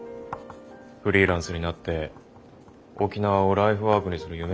フリーランスになって沖縄をライフワークにする夢は。